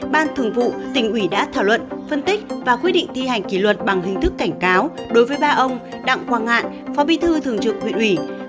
ban thường vụ tỉnh ủy đã thảo luận phân tích và quy định thi hành kỷ luật bằng hình thức cảnh cáo đối với ba ông đặng quang ngạn phó bi thư thường trực huyện ủy